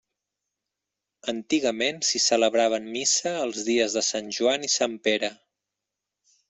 Antigament s'hi celebraven missa els dies de Sant Joan i Sant Pere.